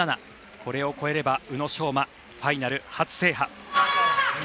これを超えれば宇野昌磨ファイナル初制覇。